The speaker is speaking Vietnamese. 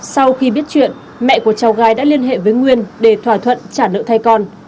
sau khi biết chuyện mẹ của cháu gái đã liên hệ với nguyên để thỏa thuận trả nợ thay con